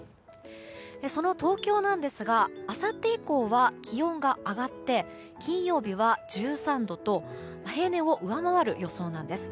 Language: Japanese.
その東京なんですがあさって以降は気温が上がって金曜日は１３度と平年を上回る予想なんです。